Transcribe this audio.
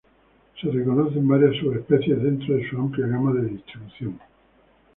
Se reconocen varias subespecies dentro de su amplia gama de distribución.